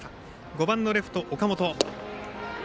５番、レフト、岡本。